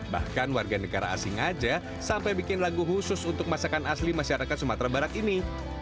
bahkan warga negara asing aja sampai bikin lagu khusus untuk masakan asli masyarakat sumatera barat ini